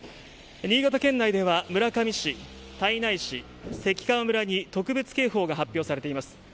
新潟県内では村上市、胎内市関川村に特別警報が発表されています。